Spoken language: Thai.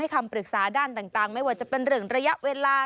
คำปรึกษาด้านต่างไม่ว่าจะเป็นเรื่องระยะเวลา